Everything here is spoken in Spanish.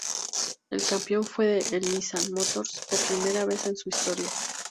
El campeón fue el Nissan Motors, por primera vez en su historia.